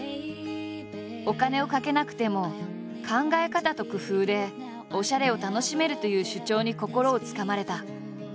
「お金をかけなくても考え方と工夫でおしゃれを楽しめる」という主張に心をつかまれた。